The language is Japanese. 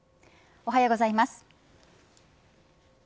おはようございます。